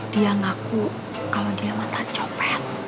dia ngaku kalau dia mata copet